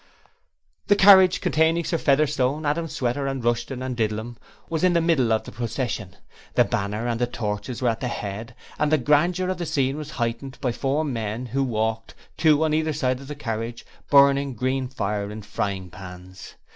The carriage containing Sir Featherstone, Adam Sweater, and Rushton and Didlum was in the middle of the procession. The banner and the torches were at the head, and the grandeur of the scene was heightened by four men who walked two on each side of the carriage, burning green fire in frying pans.